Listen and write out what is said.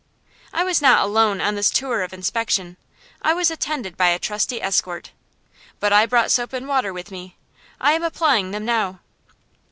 I was not alone on this tour of inspection. I was attended by a trusty escort. But I brought soap and water with me. I am applying them now.